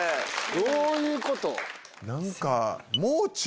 どういうこと？